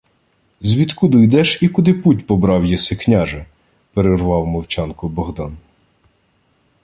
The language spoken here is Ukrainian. — Звідкуду йдеш і куди путь побрав єси, княже? — перервав мовчанку Богдан.